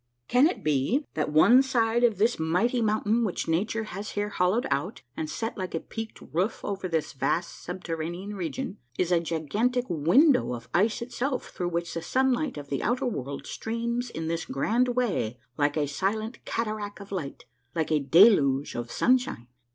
Can it be that one side of this mighty mountain which nature has here hollowed out and set like a peaked roof over this vast subterranean region, is a gigantic window of ice itself through which the sunlight of the outer world streams in this grand way like a silent cataract of light, like a deluge of sunshine?